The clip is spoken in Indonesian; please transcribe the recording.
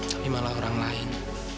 tapi malah orang lain